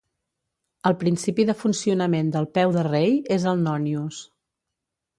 El principi de funcionament del peu de rei és el nònius.